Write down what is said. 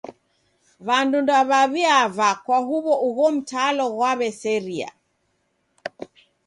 W'andu ndew'aw'iava kwa huw'o ugho mtalo ghwaserie.